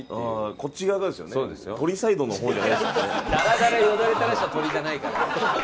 ダラダラよだれ垂らした鶏じゃないから。